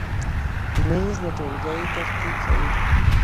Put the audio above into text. مېز د ټولګۍ ترتیب ښیي.